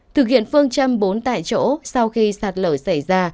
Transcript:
thực hiện phương châm bốn tại chỗ sau khi sạt lở xảy ra